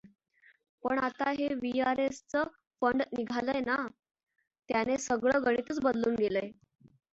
‘‘पण आता हे व्हीआरएसचंं फंड निघालंय ना, त्यानं सगळे गणितच बदलून गेलंय.